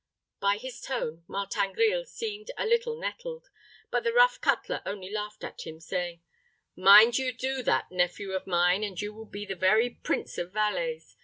By his tone, Martin Grille seemed a little nettled; but the rough cutler only laughed at him, saying, "Mind, you do that, nephew of mine, and you will be the very prince of valets.